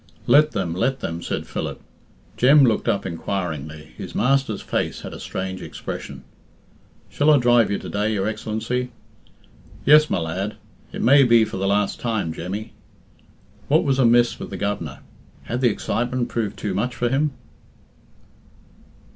"Let them let them," said Philip. Jem looked up inquiringly. His master's face had a strange expression. "Shall I drive you to day, your Excellency?" "Yes, my lad. It may be for the last time, Jemmy." What was amiss with the Governor? Had the excitement proved too much for him?